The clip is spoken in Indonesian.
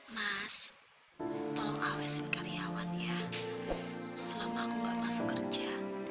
mas tolong awesin karyawan ya selama aku nggak masuk kerja